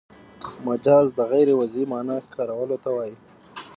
مجاز د غیر وضعي مانا کارولو ته وايي.